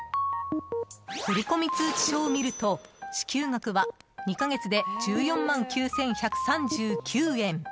振込通知書を見ると、支給額は２か月で１４万９１３９円。